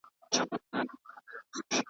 ستونی ولي په نارو څیرې ناحقه .